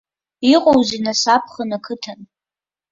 Иҟоузеи, нас, аԥхын ақыҭан?